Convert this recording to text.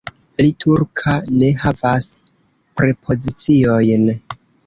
La turka ne havas prepoziciojn.